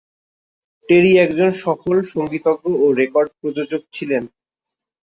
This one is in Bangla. টেরি একজন সফল সঙ্গীতজ্ঞ ও রেকর্ড প্রযোজক ছিলেন।